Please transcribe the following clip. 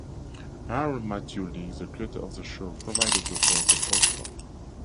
Aaron Matthew Lee, the creator of the show, provided the voice of Oscar.